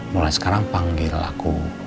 mulai sekarang panggil aku